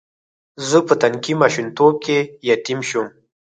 زه په تنکي ماشومتوب کې یتیم شوم.